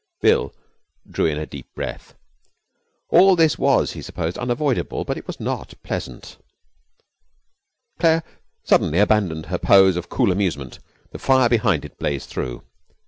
Bill drew in a deep breath. All this was, he supposed, unavoidable, but it was not pleasant. Claire suddenly abandoned her pose of cool amusement. The fire behind it blazed through.